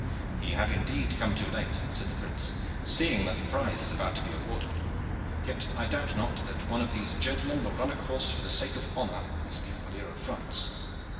"Ye have indeed come too late," said the prince, "seeing that the prize is about to be awarded; yet I doubt not that one of these gentlemen will run a course for the sake of honor with this cavalier of France."